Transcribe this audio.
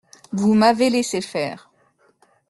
Vous m'avez laissé faire.